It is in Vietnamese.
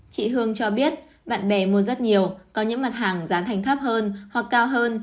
chị hương cho biết bạn bè mua rất nhiều có những mặt hàng giá thành thấp hơn hoặc cao hơn